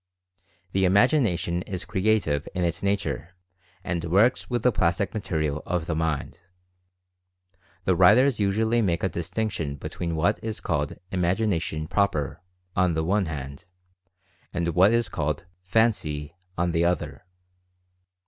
The Imagination is creative in its nature and works with the plastic material of the mind. The writers usually make a distinction between what is called "imagination proper," on the one hand, and what is called "fancy" on the other.